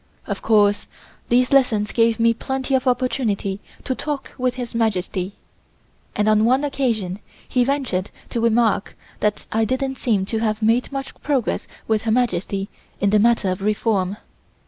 Of course these lessons gave me plenty of opportunity to talk with His Majesty, and on one occasion he ventured the remark that I didn't seem to have made much progress with Her Majesty in the matter of reform.